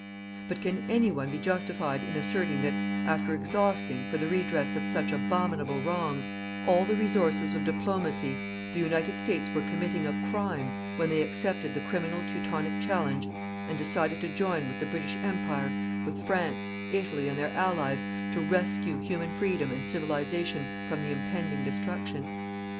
But can any one be justified in asserting that, after exhausting, for the redress of such abominable wrongs, all the resources of diplomacy, the United States were committing a crime when they accepted the criminal teutonic challenge and decided to join with the British Empire, with France, Italy and their Allies, to rescue human Freedom and Civilization from the impending destruction?